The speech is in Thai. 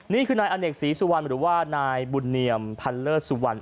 นี่คือนายอเนกศรีสุวรรณหรือว่านายบุญเนียมพันเลิศสุวรรณ